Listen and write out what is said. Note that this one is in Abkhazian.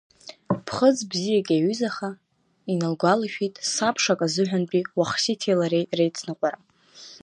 Ԥхыӡ бзиак иаҩызаха, иналгәалашәеит сабшак азыҳәантәи Уахсиҭи лареи реицныҟәара.